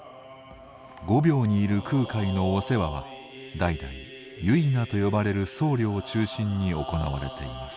御廟にいる空海のお世話は代々「維那」と呼ばれる僧侶を中心に行われています。